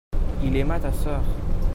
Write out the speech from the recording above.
il aima ta sœur.